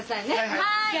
はい！